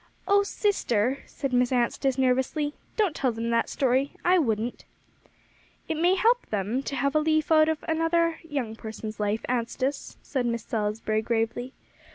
"Oh sister," said Miss Anstice nervously, "don't tell them that story. I wouldn't." "It may help them, to have a leaf out of another young person's life, Anstice," said Miss Salisbury, gravely.